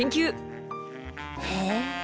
へえ。